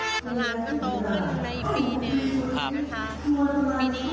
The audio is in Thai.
ก็เหนือเก่งสังเกลงตอนนี้ก็ยังมี